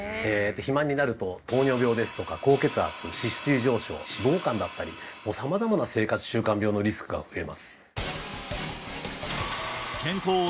肥満になると糖尿病ですとか高血圧脂質異常症脂肪肝だったり様々な生活習慣病のリスクが増えます